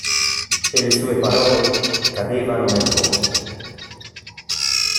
E le sue parole cadevano nel vuoto.